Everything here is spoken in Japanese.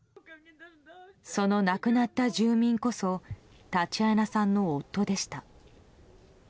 その亡くなった住民こそタチアナさんの夫でした。